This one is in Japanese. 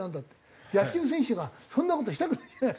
野球選手がそんな事したくないじゃない。